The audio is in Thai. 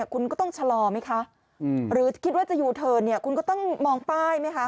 คุณก็ต้องชะลอไหมคะหรือคิดว่าจะยูเทิร์นเนี่ยคุณก็ต้องมองป้ายไหมคะ